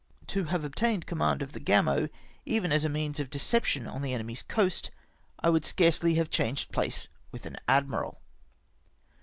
To have obtained command of the Gamo, even as a means of deception on the enemy's coast, I would scarcely have changed place with an admii'al.